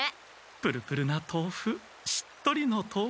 ぷるぷるなとうふしっとりのとうふ。